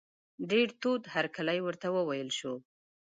ډېر تود هرکلی ورته وویل شو.